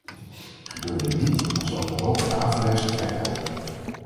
Gebeurt dit niet dan zal de hulp een averechts effect hebben.